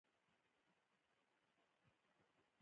غوماشې ډېر کله په کورونو کې زیاتې شي.